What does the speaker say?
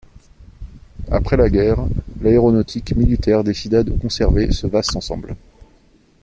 Après la guerre, l'aéronautique militaire décida de conserver ce vaste ensemble.